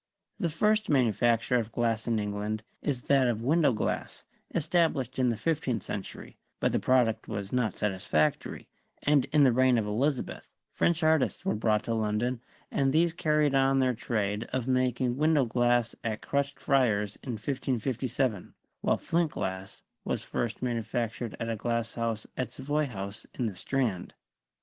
The first PERIOD OF MEDICAL MYSTICISM 83 manufacture of glass in England is that of window glass, established in the fifteenth century, but the product was not satisfactory, and in the reign of Elizabeth, French art ists were brought to London, and these carried on their trade of making window glass at Crutched Friars in 1557, while flint glass was first manufactured at a glass house at Savoy House in the Strand.